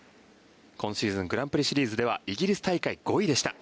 今シーズングランプリシリーズではイギリス大会５位でした。